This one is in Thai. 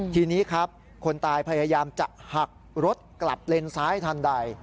ทีนี้ครับคนตายพยายามจะหักรถกลับเลนซ้ายทันใด